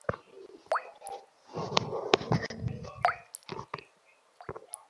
একই সঙ্গে তাঁকে আগামী শুক্রবারের মধ্যে আদালতে হাজির হওয়ার নির্দেশ দেওয়া হয়েছে।